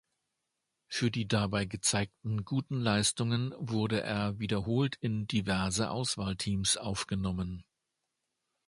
Für die dabei gezeigten guten Leistungen wurde er wiederholt in diverse Auswahlteams aufgenommen.